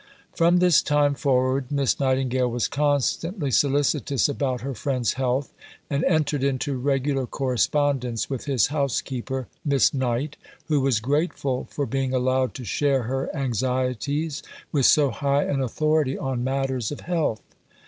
From this time forward Miss Nightingale was constantly solicitous about her friend's health, and entered into regular correspondence with his housekeeper, Miss Knight, who was grateful for being allowed to share her anxieties with so high an authority on matters of health.